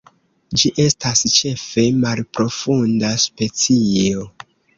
Ĝi estas ĉefe malprofunda specio.